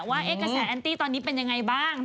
ว่าแอดกาแสแอนตี่ตอนนี้เป็นอย่างไรบ้าง